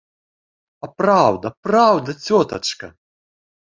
А праўда, праўда, цётачка!